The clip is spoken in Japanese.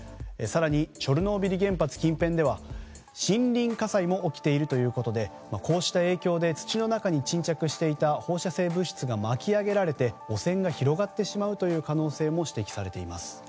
更にチョルノービリ原発近辺では森林火災も起きているということでこうした影響で土の中に沈着していた放射性物質が巻き上げられて汚染が広がってしまうという可能性も指摘されています。